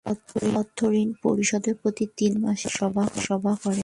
অর্থ ও ঋণ পরিষদ প্রতি তিন মাসে একবার সভা করে।